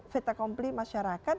veta compli masyarakat